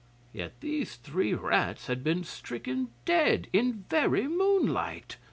Yet these three rats had been stricken dead in very moonlight.